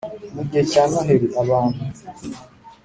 Mu gihe cya Noheli abantu